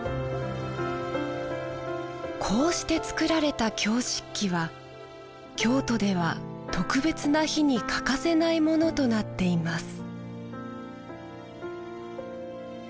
こうして作られた京漆器は京都では特別な日に欠かせないものとなっています